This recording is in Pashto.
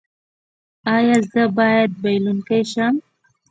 ایا زه باید بایلونکی شم؟